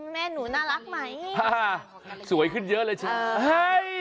แม่หนูน่ารักไหมสวยขึ้นเยอะเลยใช่ไหม